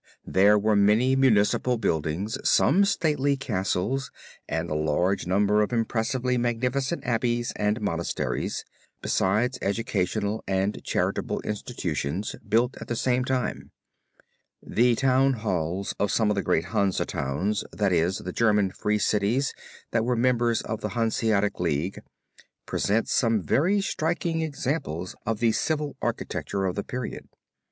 There were many municipal buildings, some stately castles, and a large number of impressively magnificent Abbeys and Monasteries, besides educational and charitable institutions built at this same time. The town halls of some of the great Hansa towns, that is, the German free cities that were members of the Hanseatic League, present some very striking examples of the civil architecture of the period.